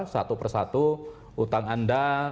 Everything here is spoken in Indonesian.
satu persatu utang anda